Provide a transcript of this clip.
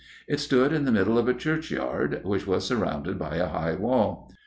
It stood in the middle of a churchyard, which was surrounded by a high wall.